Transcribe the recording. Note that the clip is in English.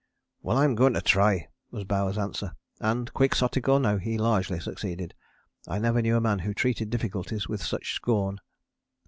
"Well, I'm going to try," was Bowers' answer, and, quixotic or no, he largely succeeded. I never knew a man who treated difficulties with such scorn.